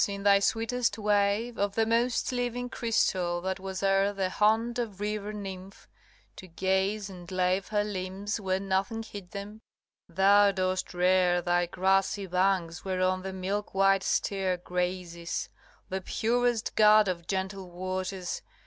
in thy sweetest wave Of the most living crystal that was e'er The haunt of river nymph, to gaze and lave Her limbs where nothing hid them, thou dost rear Thy grassy banks whereon the milk white steer Grazes; the purest god of gentle waters!